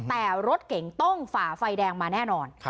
แต่รถเก่งต้องฝ่าไฟแดงมาแน่นอน